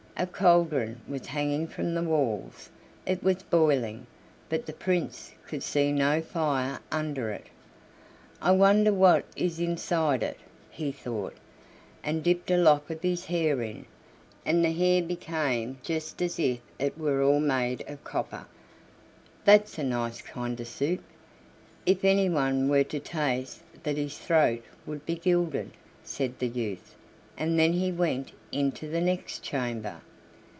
A cauldron was hanging from the walls; it was boiling, but the Prince could see no fire under it. "I wonder what is inside it," he thought, and dipped a lock of his hair in, and the hair became just as if it were all made of copper. "That's a nice kind of soup. If anyone were to taste that his throat would be gilded," said the youth, and then he went into the next chamber.